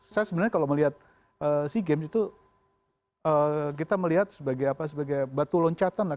saya sebenarnya kalau melihat sea games itu kita melihat sebagai batu loncatan lah